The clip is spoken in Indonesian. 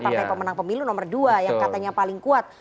partai pemenang pemilu nomor dua yang katanya paling kuat